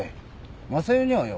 昌代にはよ